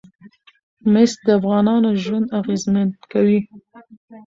مس د افغانانو ژوند اغېزمن کوي.